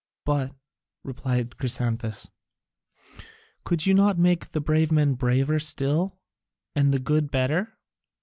"But," replied Chrysantas, "could you not make the brave men braver still, and the good better?"